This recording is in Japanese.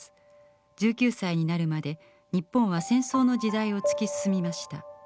１９歳になるまで日本は戦争の時代を突き進みました。